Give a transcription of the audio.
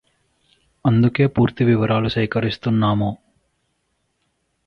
అందుకే పూర్తి వివరాలు సేకరిస్తున్నాము